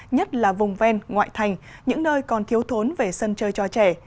nhất là vùng ven ngoại thành những nơi còn thiếu thốn về sân chơi cho trẻ